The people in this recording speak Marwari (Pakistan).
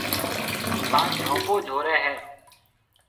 ھان جھونپو جھورَي ھيََََ